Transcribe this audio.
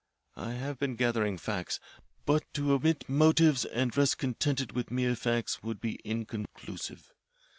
I have been gathering facts. But to omit motives and rest contented with mere facts would be inconclusive.